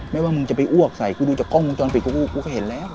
ไม่ว่ามึงจะไปอ้วกดูจากกล้องมึงจอนผิดกูก็เห็นแล้ว